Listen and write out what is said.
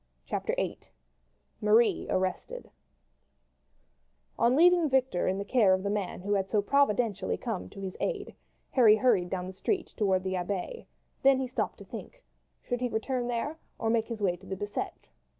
CHAPTER VIII Marie Arrested On leaving Victor in the care of the man who had so providentially came to his aid, Harry hurried down the street towards the Abbaye, then he stopped to think should he return there or make his way to the Bicetre.